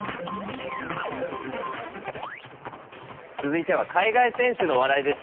続いては海外選手の話題です。